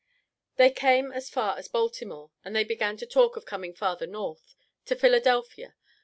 "They came as far as Baltimore, and they began to talk of coming farther North, to Philadelphia.